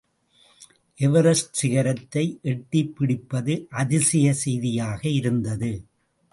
Everest சிகரத்தை எட்டிப் பிடிப்பது அதிசய செய்தியாக இருந்தது.